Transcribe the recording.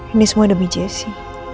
ini semua demi jessy